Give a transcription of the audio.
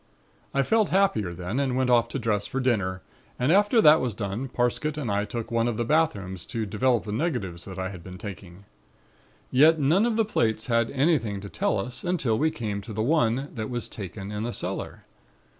"I felt happier then and went off to dress for dinner and after that was done, Parsket and I took one of the bathrooms to develop the negatives that I had been taking. Yet none of the plates had anything to tell us until we came to the one that was taken in the cellar.